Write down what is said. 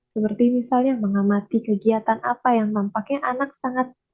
seperti misalnya mengamati kegiatan apa yang nampaknya anak sangat